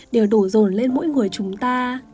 đều đổ rồn lên mỗi người chúng ta